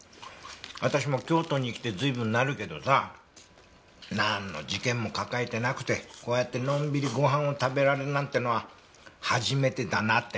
私も京都に来て随分になるけどさなんの事件も抱えてなくてこうやってのんびりごはんを食べられるなんてのは初めてだなってね。